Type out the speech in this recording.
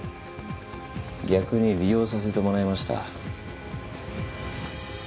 逆に利用させてもらいました。